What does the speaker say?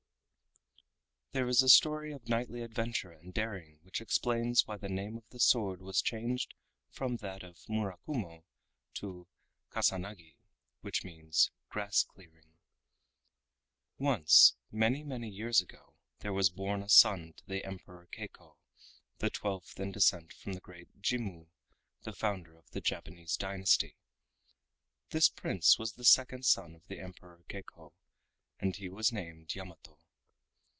There is a story of knightly adventure and daring which explains why the name of the sword was changed from that of Murakumo to Kasanagi, which means grass clearing. Once, many, many years ago, there was born a son to the Emperor Keiko, the twelfth in descent from the great Jimmu, the founder of the Japanese dynasty. This Prince was the second son of the Emperor Keiko, and he was named Yamato.